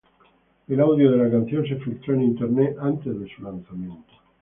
El audio de la canción se filtró en Internet antes de su lanzamiento.